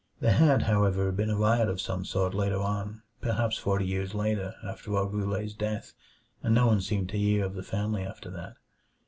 There had, however, been a riot of some sort later on perhaps forty years later, after old Roulet's death and no one seemed to hear of the family after that.